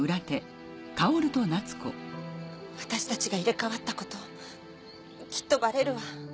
私たちが入れ替わったこときっとバレるわ。